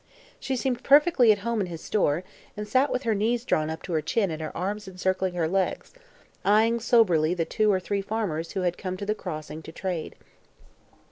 She seemed perfectly at home in his store and sat with her knees drawn up to her chin and her arms encircling her legs, eyeing soberly the two or three farmers who had come to the Crossing to "trade."